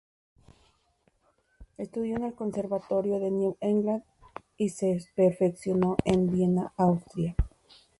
Estudió en el conservatorio de New England y se perfeccionó en Viena, Austria.